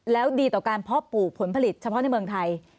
แล้วดีต่อการเพาะปลูกผลผลิตเฉพาะในเมืองไทย